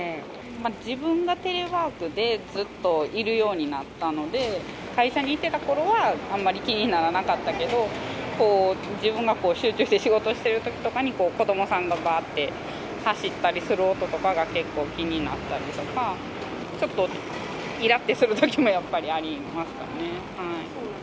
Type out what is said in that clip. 自分がテレワークでずっといるようになったので、会社に行ってたころは、あんまり気にならなかったけど、自分が集中して仕事をしているときとかに、子どもさんがばーって走ったりする音とかが結構気になったりとか、ちょっといらってするときもやっぱりありますかね。